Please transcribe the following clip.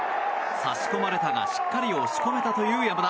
差し込まれたがしっかり押し込めたという山田。